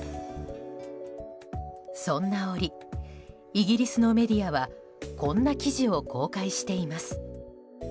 そんな折、イギリスのメディアはこんな記事を公開しています。